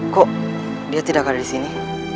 kok dia tidak ada disini